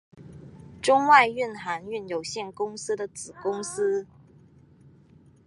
中外运航运有限公司的子公司。